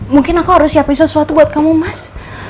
mungkin aku harus siapin sesuatu buat kamu mas